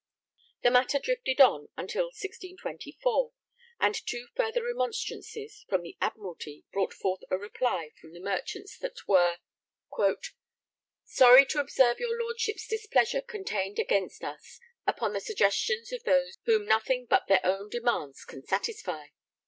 The matter drifted on until 1624, and two further remonstrances, from the Admiralty, brought forth a reply from the merchants that they were sorry to observe your Lordships' displeasure contained against us upon the suggestions of those whom nothing but their own demands can satisfy....